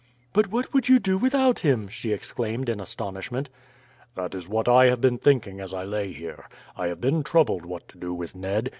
"But what would you do without him?" she exclaimed in astonishment. "That is what I have been thinking as I lay here. I have been troubled what to do with Ned.